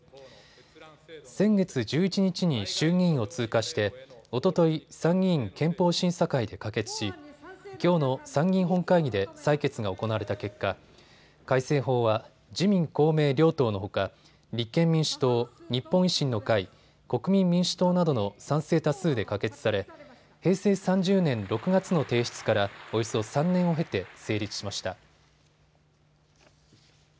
先月１１日に衆議院を通過しておととい参議院憲法審査会で可決し、きょうの参議院本会議で採決が行われた結果、改正法は自民公明両党のほか立憲民主党、日本維新の会、国民民主党などの賛成多数で可決され平成３０年６月の提出からおよそ３年を経て成立しました。